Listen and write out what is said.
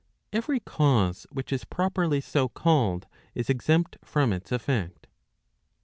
Every cause which is properly so called, is exempt from its effect.